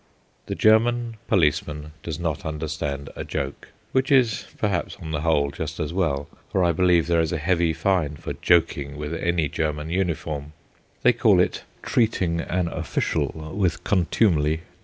The German policeman does not understand a joke, which is perhaps on the whole just as well, for I believe there is a heavy fine for joking with any German uniform; they call it "treating an official with contumely."